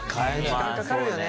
時間かかるよね。